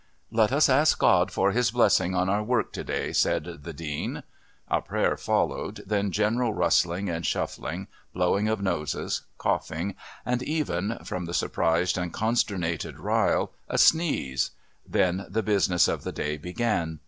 "Let us ask God for His blessing on our work to day," said the Dean. A prayer followed, then general rustling and shuffling, blowing of noses, coughing and even, from the surprised and consternated Ryle, a sneeze then the business of the day began.